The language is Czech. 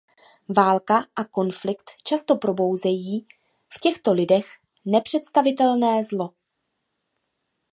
Válka a konflikt často probouzejí v těchto lidech nepředstavitelné zlo.